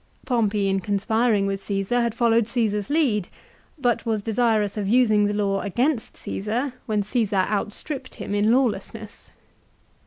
Pompey in conspiring with Caesar had followed Caesar's lead; but was desirous of using the law against Caesar when Caesar outstripped him in lawlessness.